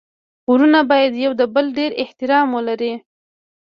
ورونه باید يو د بل ډير احترام ولري.